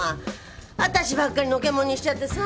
私ばっかりのけ者にしちゃってさ！